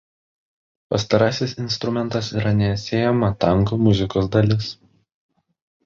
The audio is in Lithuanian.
Pastarasis instrumentas yra neatsiejama tango muzikos dalis.